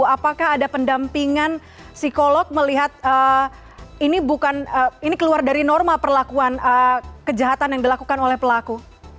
apakah ada pendampingan psikolog melihat ini keluar dari norma perlakuan kejahatan yang dilakukan oleh pelaku